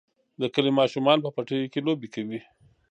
د کلي ماشومان په پټیو کې لوبې کوي.